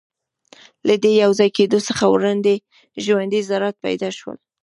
له دې یوځای کېدو څخه ژوندۍ ذرات پیدا شول.